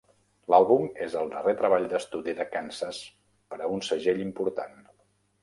L'àlbum és el darrer treball d'estudi de Kansas per a un segell important.